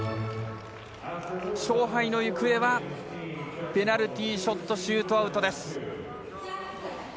勝敗の行方はペナルティーショットシュートアウトです。